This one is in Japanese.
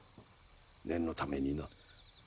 念のためにな。